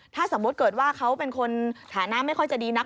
ถ้าสมมุติเกิดว่าเขาเป็นคนฐานะไม่ค่อยจะดีนัก